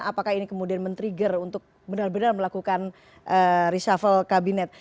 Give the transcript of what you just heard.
apakah ini kemudian men trigger untuk benar benar melakukan reshuffle kabinet